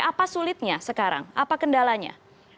apa sulitnya sekarang apa kendalanya